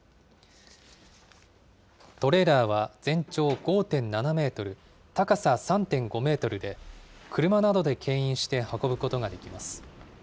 トレーラーは全長５．７メートル、高さ３．５メートルで、車などでけん引して運ぶことができます。